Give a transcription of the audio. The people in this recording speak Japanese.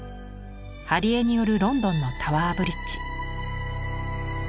貼絵による「ロンドンのタワーブリッジ」。